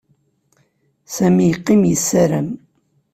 Sami yeqqim yessaram.